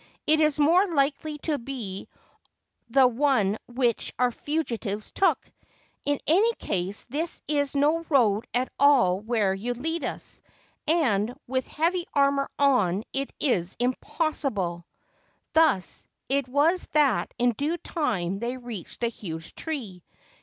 It is more likely to be the one which our fugitives took. In any case, this is no road at all where you lead us, and with heavy armour on it is impossible/ Thus it was that in due time they reached the huge tree.